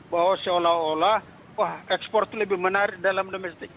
bahwa seolah olah ekspor itu lebih menarik dalam domestik